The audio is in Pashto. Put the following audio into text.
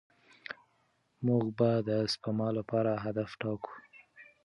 موږ به د سپما لپاره هدف ټاکو.